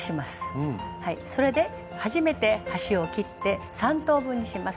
それで初めて端を切って３等分にします。